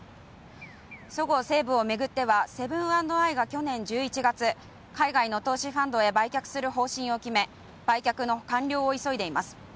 そごう・西武を巡ってはセブン＆アイが去年１１月海外の投資ファンドへ売却する方針を決め売却の完了を急いでいます